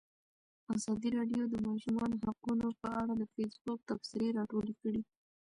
ازادي راډیو د د ماشومانو حقونه په اړه د فیسبوک تبصرې راټولې کړي.